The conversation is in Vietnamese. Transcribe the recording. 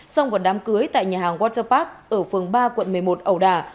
xong vỏ đám cưới tại nhà hàng waterpark ở phường ba quận một mươi một ẩu đà